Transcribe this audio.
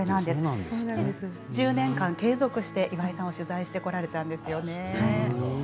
１０年間、継続して岩井さんを取材されたんですね。